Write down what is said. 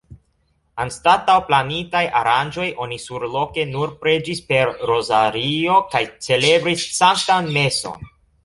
Anstataŭ planitaj aranĝoj oni surloke nur preĝis per rozario kaj celebris sanktan meson.